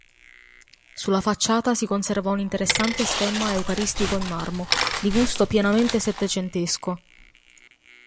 Sulla facciata si conserva un interessante stemma eucaristico in marmo, di gusto pienamente settecentesco.